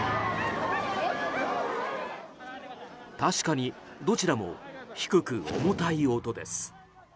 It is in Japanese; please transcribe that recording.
確かにどちらも低く重たい音です。